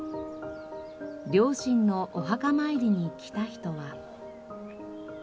両親のお墓参りに来た人は。